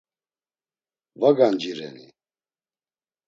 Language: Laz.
Va gancireni?